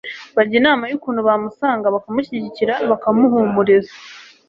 bajya inama y'ukuntu bamusanga bakamushyigikira, bakamuhumuriza